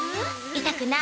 痛くない？